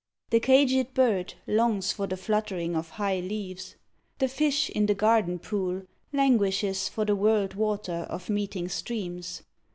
The caged bird longs for the fluttering of high leaves. The fish in the garden pool languishes for the whirled water Of meeting streams.